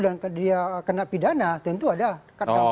dan dia kena pidana tentu ada kata kata yang terkait